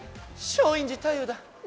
松陰寺太勇だ。